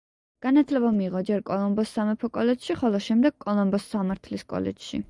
განათლება მიიღო ჯერ კოლომბოს სამეფო კოლეჯში, ხოლო შემდეგ კოლომბოს სამართლის კოლეჯში.